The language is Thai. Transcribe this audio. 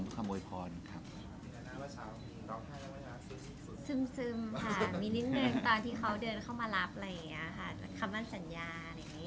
ซึมซึมค่ะมีนิดหนึ่งตอนที่เขาเข้ามารับคำม้านสัญญา